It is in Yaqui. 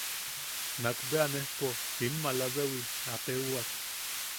Nakbea nejpo in malabewi a teuwak.